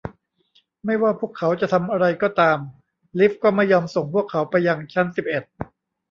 ไม่ว่าพวกเขาจะทำอะไรก็ตาม ลิฟต์ก็ไม่ยอมส่งพวกเขาไปยังชั้นสิบเอ็ด